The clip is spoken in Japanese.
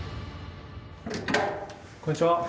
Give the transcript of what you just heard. こんにちは。